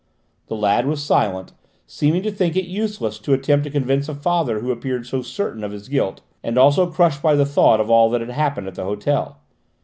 The lad was silent, seeming to think it useless to attempt to convince a father who appeared so certain of his guilt, and also crushed by the thought of all that had happened at the hotel.